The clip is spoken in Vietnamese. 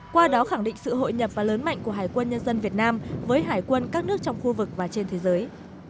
qua đó khẳng định sự hội nhập và lớn mạnh của hải quân nhân dân việt nam với hải quân các nước trong khu vực và trên thế giới